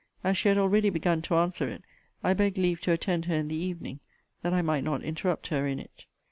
As she had already begun to answer it, I begged leave to attend her in the evening, that I might not interrupt her in it.